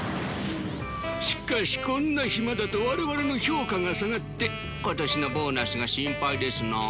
しかしこんな暇だと我々の評価が下がって今年のボーナスが心配ですな。